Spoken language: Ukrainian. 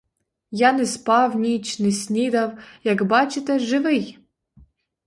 Я не спав ніч, не снідав, — як бачите, живий.